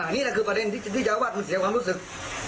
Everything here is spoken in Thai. นี่คือประเด็นที่เจ้าอาวาสเสียความรู้สึก